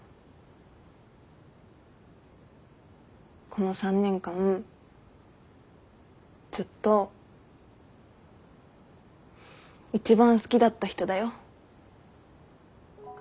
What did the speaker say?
この３年間ずっと一番好きだった人だよ。